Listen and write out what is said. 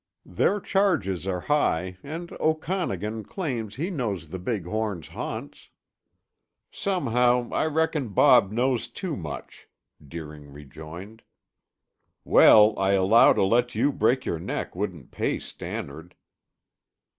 "Their charges are high and Okanagan claims he knows the big horn's haunts." "Somehow I reckon Bob knows too much," Deering rejoined. "Well, I allow to let you break your neck wouldn't pay Stannard."